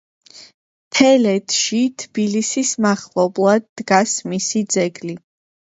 თელეთში, თბილისის მახლობლად, დგას მისი ძეგლი.